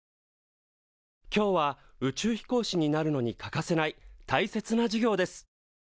今日は宇宙飛行士になるのに欠かせないたいせつな授業です。